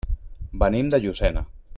Venim de Llucena.